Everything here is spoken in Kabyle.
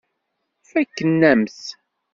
Fakken-am-t.